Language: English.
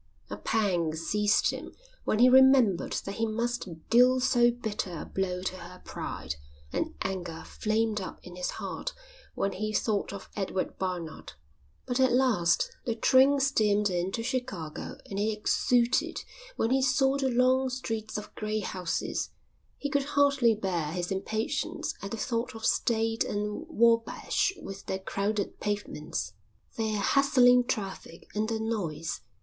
A pang seized him when he remembered that he must deal so bitter a blow to her pride, and anger flamed up in his heart when he thought of Edward Barnard. But at last the train steamed in to Chicago and he exulted when he saw the long streets of grey houses. He could hardly bear his impatience at the thought of State and Wabash with their crowded pavements, their hustling traffic, and their noise.